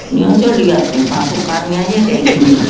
ini aja lihat nih pasukannya aja kayak gini